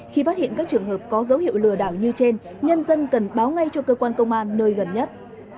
khi phát hiện các trường hợp có dấu hiệu lừa đảo như trên nhân dân cần báo ngay cho cơ quan công an nơi gần nhất